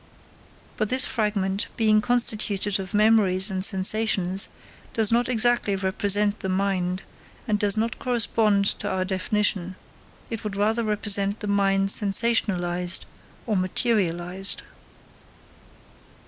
But this fragment, being constituted of memories and sensations, does not exactly represent the mind, and does not correspond to our definition; it would rather represent the mind sensationalised or materialised.